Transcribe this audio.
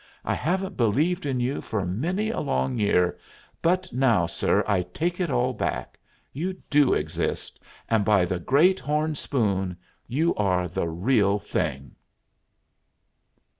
I haven't believed in you for many a long year; but now, sir, I take it all back. You do exist, and, by the great horn spoon, you are the real thing!"